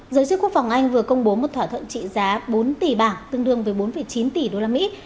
giới chức quốc phòng anh vừa công bố một thỏa thuận trị giá bốn tỷ bảng tương đương với bốn chín tỷ đô la mỹ